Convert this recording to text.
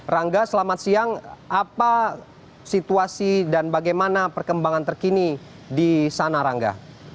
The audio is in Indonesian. rangga selamat siang apa situasi dan bagaimana perkembangan terkini di sana rangga